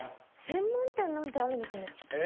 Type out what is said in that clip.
専門店なんてあるんですね。